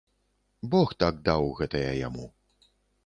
Бог так даў гэтая яму.